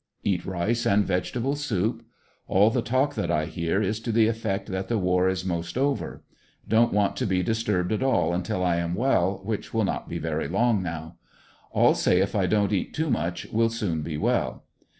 Eat rice and vegetable soup. All the talk that I hear is to the effect that the war is most over. Don't want to be disturbed at all until I am well, which will not be very long now. All say if X don't eat too much will soon be well.